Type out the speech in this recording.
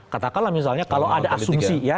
katakanlah misalnya kalau ada asumsi ya